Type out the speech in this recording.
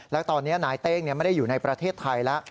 แล้วตอนนี้นายเต้งไม่ได้อยู่ในประเทศไทยแล้ว